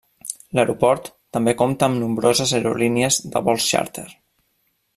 L'aeroport també compta amb nombroses aerolínies de vols xàrter.